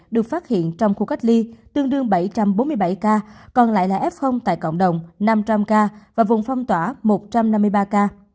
được phát hiện trong khu cách ly tương đương bảy trăm bốn mươi bảy ca còn lại là f tại cộng đồng năm trăm linh ca và vùng phong tỏa một trăm năm mươi ba ca